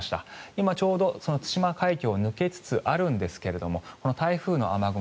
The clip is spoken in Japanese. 今、ちょうど対馬海峡を抜けつつあるんですけれどこの台風の雨雲